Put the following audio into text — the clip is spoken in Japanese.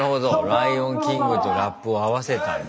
「ライオン・キング」とラップを合わせたんだ。